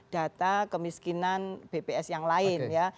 data kemiskinan bps yang lain ya